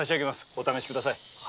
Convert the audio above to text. お試しください。